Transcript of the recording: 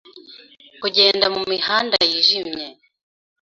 kugenda mumihanda yijimye